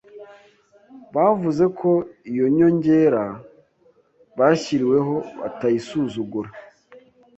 bavuze ko iyo nyongera bashyiriweho batayisuzugura,